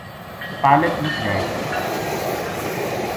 پالک مچ وھے“